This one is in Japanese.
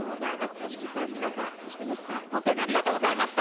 ＹＯＳＨＩＫＩさん、皆さん、そしてＹＯＳＨＩさん、本当にありがとうございました。